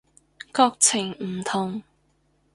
國情唔同